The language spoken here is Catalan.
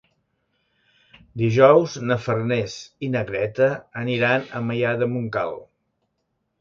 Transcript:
Dijous na Farners i na Greta aniran a Maià de Montcal.